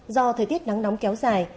do thời tiết nắng nóng kéo dài